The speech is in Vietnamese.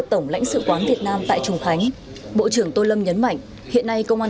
tổng lãnh sự quán việt nam tại trùng khánh bộ trưởng tô lâm nhấn mạnh hiện nay công an